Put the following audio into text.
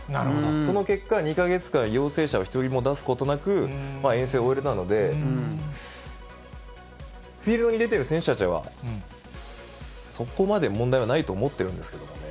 その結果、２か月間、陽性者を一人も出すことなく、遠征を終えれたので、フィールドに出てる選手たちは、そこまで問題はないと思ってるんですけれどもね。